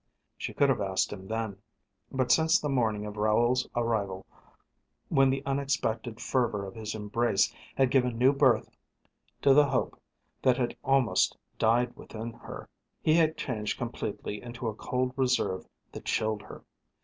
She could have asked him then. But since the morning of Raoul's arrival, when the unexpected fervour of his embrace had given new birth to the hope that had almost died within her, he had changed completely into a cold reserve that chilled her.